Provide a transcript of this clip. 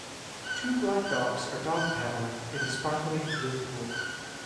Two black dogs are dog paddling in a sparkling blue pool.